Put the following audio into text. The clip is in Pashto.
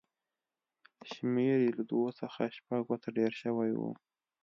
شمېر یې له دوو څخه شپږو ته ډېر شوی و.